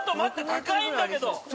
高いんだけど！